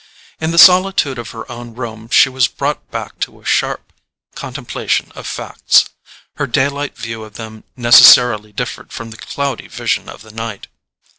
In the solitude of her own room she was brought back to a sharp contemplation of facts. Her daylight view of them necessarily differed from the cloudy vision of the night.